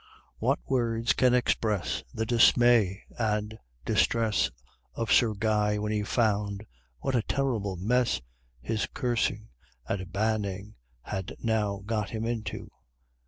What words can express The dismay and distress Of Sir Guy, when he found what a terrible mess His cursing and banning had now got him into?